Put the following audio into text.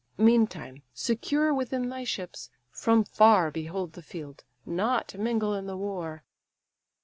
Meantime, secure within thy ships, from far Behold the field, not mingle in the war.